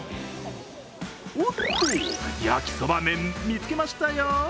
おっと、焼きそば麺、見つけましたよ。